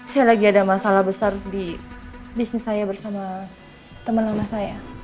saya lagi ada masalah besar di bisnis saya bersama teman lama saya